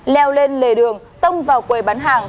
leo lên lề đường tông vào quầy bán hàng